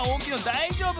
だいじょうぶ？